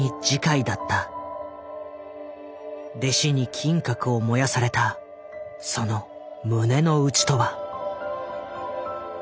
弟子に金閣を燃やされたその胸の内とは。